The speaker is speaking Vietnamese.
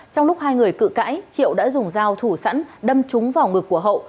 trong lúc hai người cự cãi triệu đã dùng dao thủ sẵn đâm trúng vào ngực của hậu